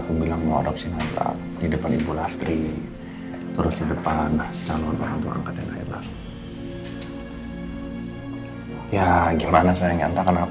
kamu kok bisa tahu perasaan aku